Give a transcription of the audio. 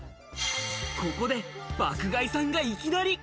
ここで爆買いさんがいきなり。